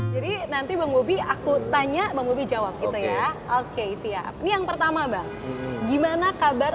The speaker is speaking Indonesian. jadi nanti bang gobi aku tanya bang gobi jawab gitu ya oke siap ini yang pertama bang gimana kabar